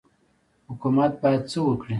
حکومت باید څه وکړي؟